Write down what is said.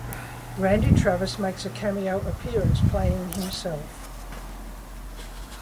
Randy Travis makes a cameo appearance, playing himself.